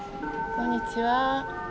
・こんにちは。